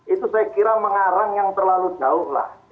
itu saya kira mengarang yang terlalu jauh lah